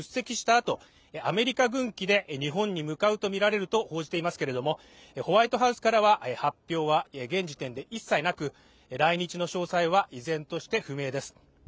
あとアメリカ軍機で日本に向かうと報じられていますがホワイトハウスからは発表は現時点で一切なく来日の詳細は依然として不明です。